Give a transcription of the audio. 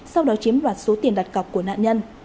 sau đó chiếm đoạt số tiền đặt cọc của nạn nhân